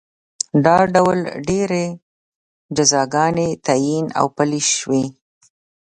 دا ډول ډېرې جزاګانې تعین او پلې شوې